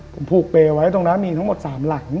ผมผูกเปย์ไว้ตรงนั้นมีทั้งหมด๓หลัง